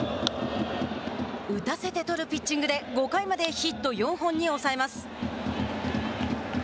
打たせて取るピッチングで５回までヒット４本に抑えます。